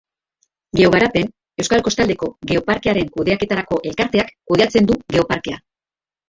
Geogarapen, Euskal Kostaldeko Geoparkearen kudeaketarako Elkarteak kudeatzen du Geoparkea.